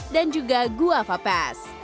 dan juga guava pass